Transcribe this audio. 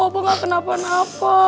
abah gak kenapa napa